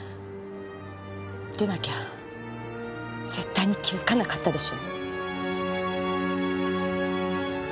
でなきゃ絶対に気づかなかったでしょ？